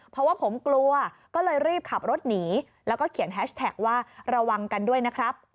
เพราะว่าผมกลัวก็เลยรีบขับรถหนีแล้วก็เขียนแฮชแท็กว่าระวังกันด้วยนะครับ